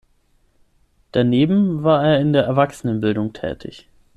Daneben war er in der Erwachsenenbildung tätig.